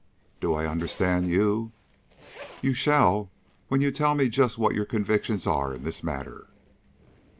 "Do I understand you?" "You shall, when you tell me just what your convictions are in this matter."